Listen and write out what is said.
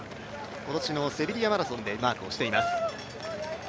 今年のセルビアマラソンでマークしています。